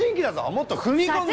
もっと踏み込んだ。